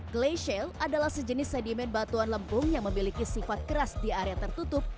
glay shale adalah sejenis sedimen batuan lempung yang memiliki sifat keras di area tertutup